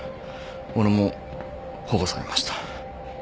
俺も保護されました。